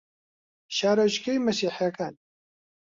شارۆچکەی مەسیحییەکان